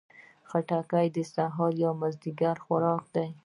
خټکی د سهار یا مازدیګر خوراک ده.